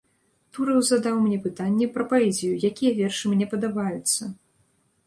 Тураў задаў мне пытанне пра паэзію, якія вершы мне падабаюцца.